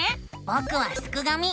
ぼくはすくがミ！